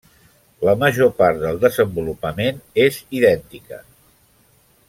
La major part del desenvolupament és idèntica.